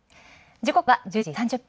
時刻は１１時３０分。